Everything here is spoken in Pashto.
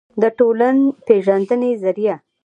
دټولنپېژندې ظریه